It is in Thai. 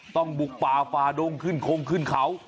ต้องบุกป่าฝ่าดงขึ้นคงขึ้นเขา